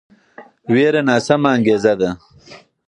ویره ناسمه انګیزه ده